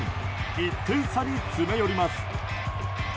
１点差に詰め寄ります。